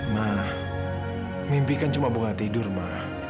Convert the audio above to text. ma mimpi kan cuma bunga tidur ma